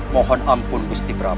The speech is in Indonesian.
mohon ampun gusti prap